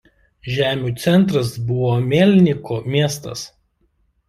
Žemių centras buvo Mielniko miestas.